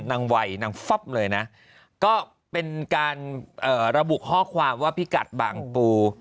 วัยนางฟับเลยนะก็เป็นการระบุข้อความว่าพิกัดบางปู